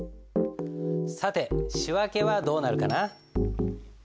さて仕訳はどうなるかな？